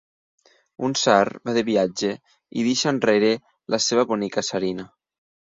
Un tsar va de viatge i deixa enrere la seva bonica tsarina.